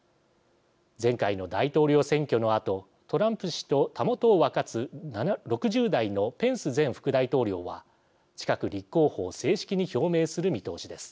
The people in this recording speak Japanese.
前回の大統領選挙のあとトランプ氏とたもとを分かつ６０代のペンス前副大統領は近く立候補を正式に表明する見通しです。